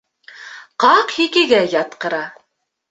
Ҡаҡ һикегә ятҡыра.